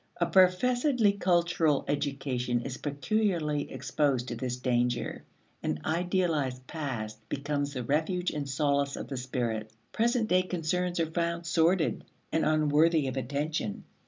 A professedly cultural education is peculiarly exposed to this danger. An idealized past becomes the refuge and solace of the spirit; present day concerns are found sordid, and unworthy of attention.